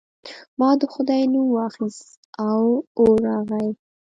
ما د خدای نوم واخیست او اور راغی.